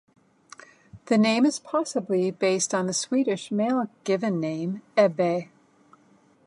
The name is possibly based on the Swedish male given name Ebbe.